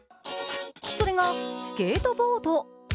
それがスケートボード。